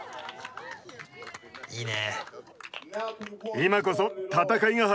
いいね。